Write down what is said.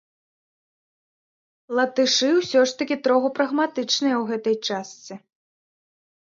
Латышы ўсё ж такі троху прагматычныя ў гэтай частцы.